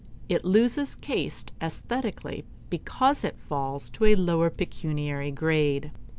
It loses caste aesthetically because it falls to a lower pecuniary grade.